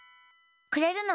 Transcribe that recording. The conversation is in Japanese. くれるの？